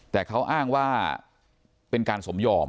แต่เขาอ้างว่าเป็นการสมยอม